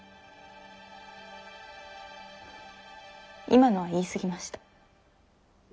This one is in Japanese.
今のは言い過ぎました。